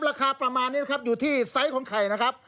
ราคาประมาณนี้นะครับอยู่ที่ไซส์ของไข่นะครับ